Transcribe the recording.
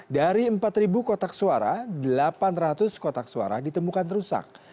dari empat kotak suara delapan ratus kotak suara ditemukan rusak